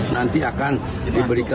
nanti akan diberikan